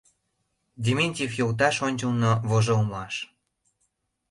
Дементьев йолташ ончылно вожылмаш.